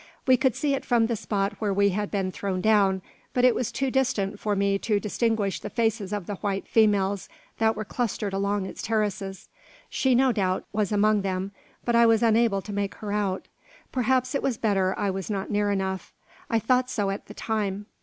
We could see it from the spot where we had been thrown down; but it was too distant for me to distinguish the faces of the white females that were clustered along its terraces. She no doubt was among them, but I was unable to make her out. Perhaps it was better I was not near enough. I thought so at the time.